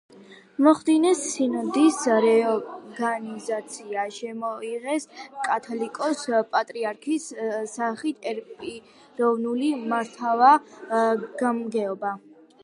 მოახდინეს სინოდის რეორგანიზაცია; შემოიღეს კათალიკოს-პატრიარქის სახით ერთპიროვნული მართვა-გამგეობა.